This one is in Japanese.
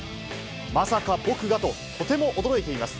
まさか僕がと、とても驚いています。